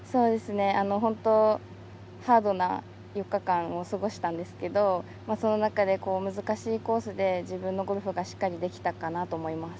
本当、ハードな４日間を過ごしたんですけど、その中で、難しいコースで自分のゴルフがしっかりできたかなと思います。